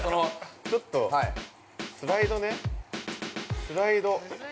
◆ちょっとスライドねスライド。